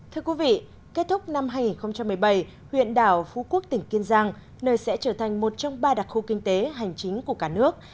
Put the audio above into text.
thưa quý vị kết thúc năm hai nghìn một mươi bảy huyện đảo phú quốc tỉnh kiên giang nơi sẽ trở thành một trong ba đặc khu kinh tế hành chính của cả nước